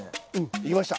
行きました！